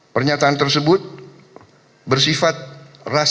pernyataan tersebut bersifat rasis